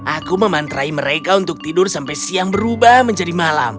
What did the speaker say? aku memantrai mereka untuk tidur sampai siang berubah menjadi malam